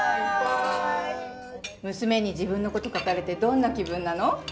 娘に自分のこと書かれてどんな気分なの？